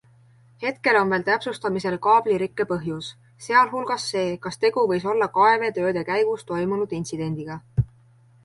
Hetkel on veel täpsustamisel kaablirikke põhjus, sealhulgas see, kas tegu võis olla kaevetööde käigus toimunud intsidendiga.